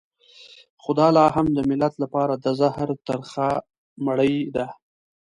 خو دا لا هم د ملت لپاره د زهر ترخه مړۍ ده.